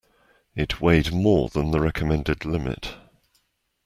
It weighed more than the recommended limit.